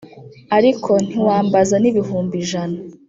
Ariko ntiwambaza nibihimbi ijana